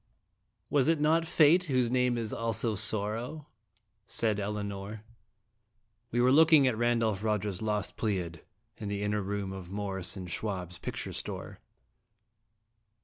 ACT I. " 'Was it not Fate, whose name is also Sor row?' " said Elinor. We were looking at Randolph Rogers's "Lost Pleiad, " in the inner room of Morris & Schwab's picture store.